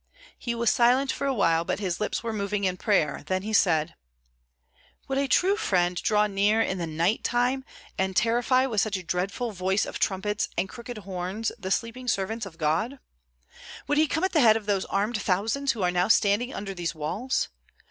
He was silent for a while, but his lips were moving in prayer; then he said, "Would a true friend draw near in the night time and terrify with such a dreadful voice of trumpets and crooked horns the sleeping servants of God? Would he come at the head of those armed thousands who are now standing under these walls?